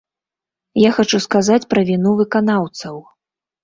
Я хачу сказаць пра віну выканаўцаў.